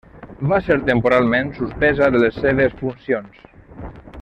Va ser temporalment suspesa de les seves funcions.